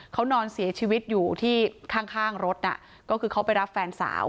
เขานอนเสียชีวิตอยู่ที่ข้างรถน่ะก็คือเขาไปรับแฟนสาว